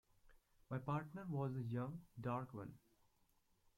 My partner was the young dark one.